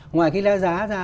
ngoài cái giá ra